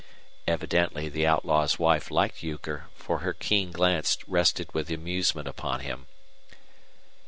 Evidently the outlaw's wife liked Euchre, for her keen glance rested with amusement upon him.